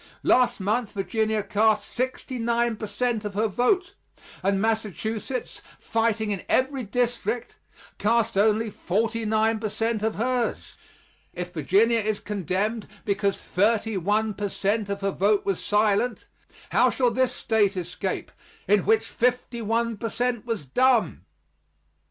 Last month Virginia cast sixty nine per cent of her vote; and Massachusetts, fighting in every district, cast only forty nine per cent of hers. If Virginia is condemned because thirty one per cent of her vote was silent, how shall this State escape, in which fifty one per cent was dumb?